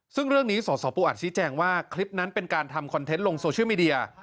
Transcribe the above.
ซึ่งเรื่องนี้สสปูอัดชี้แจงว่าคลิปนั้นเป็นการทำคอนเทนต์ลงโซเชียลมีเดีย